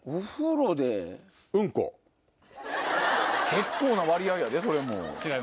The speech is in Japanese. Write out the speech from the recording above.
結構な割合やでそれも。